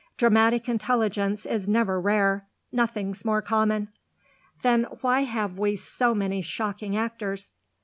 "Dramatic intelligence is never rare; nothing's more common." "Then why have we so many shocking actors?"